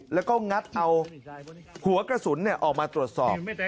แล้วก็งัดเอาหัวกระสุนออกมาตรวจสอบ